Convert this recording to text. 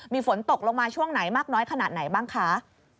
มีฝนตกลงมาช่วงไหนมากน้อยขนาดไหนบ้างคะ